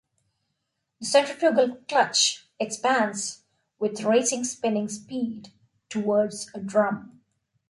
The centrifugal clutch expands with raising spinning speed towards a drum.